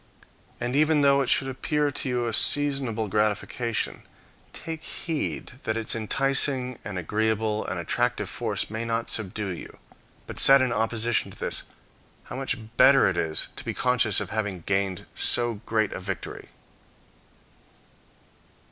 And even though it should appear to you a seasonable gratification, take heed that its enticing, and agreeable and attractive force may not subdue you; but set in opposition to this how much better it is to be conscious of having gained so great a victory.